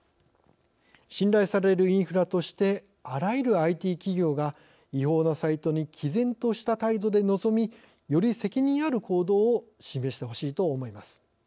信頼されるインフラとしてあらゆるＩＴ企業が違法なサイトにきぜんとした態度で臨みより責任ある行動を示してほしいと思います。